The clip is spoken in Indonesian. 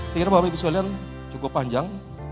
saya kira bahwa visual yang cukup panjang